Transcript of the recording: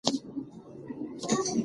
تیاره د یوه دروند خوب په څېر راغله.